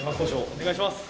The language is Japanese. お願いします